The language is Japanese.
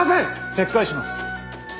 撤回します。